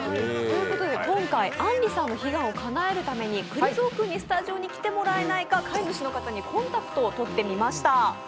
今回、あんりさんの悲願をかなえるためにくり蔵君にスタジオに来てもらえないか飼い主の方にコンタクトを取ってみました。